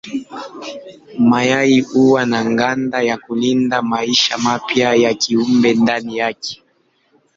Mayai huwa na ganda ya kulinda maisha mapya ya kiumbe ndani yake.